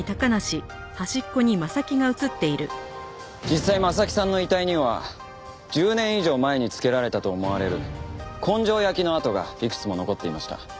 実際征木さんの遺体には１０年以上前に付けられたと思われる根性焼きの痕がいくつも残っていました。